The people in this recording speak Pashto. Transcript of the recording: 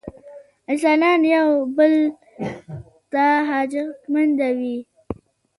انسانان تل یو بل ته حاجتمنده وي.